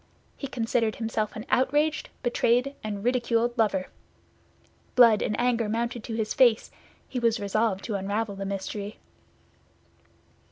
He considered himself an outraged, betrayed, and ridiculed lover. Blood and anger mounted to his face; he was resolved to unravel the mystery.